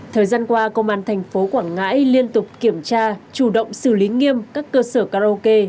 thời gian qua công an thành phố quảng ngãi liên tục kiểm tra chủ động xử lý nghiêm các cơ sở karaoke